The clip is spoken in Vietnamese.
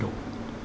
cảm ơn các bạn